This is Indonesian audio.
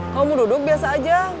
kamu duduk biasa aja